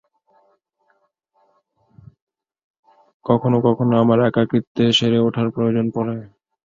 কখনো-কখনো আমার একাকীত্বে সেরে ওঠার প্রয়োজন পড়ে।